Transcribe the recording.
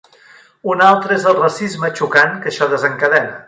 Un altre és el racisme xocant que això desencadena.